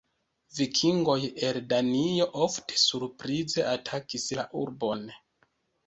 Vikingoj el Danio ofte surprize atakis la urbon.